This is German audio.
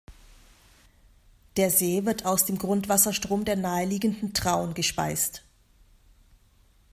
Der See wird aus dem Grundwasserstrom der naheliegenden Traun gespeist.